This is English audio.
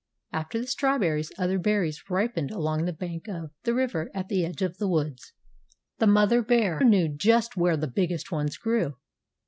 After the strawberries other berries ripened along the bank of the river at the edge of the woods. The mother bear knew just where the biggest ones grew.